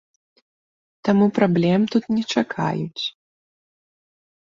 Таму праблем тут не чакаюць.